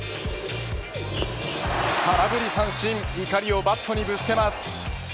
空振り三振怒りをバットにぶつけます。